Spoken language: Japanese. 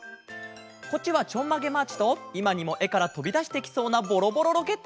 こっちは「ちょんまげマーチ」といまにもえからとびだしてきそうな「ボロボロロケット」。